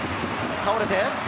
倒れて。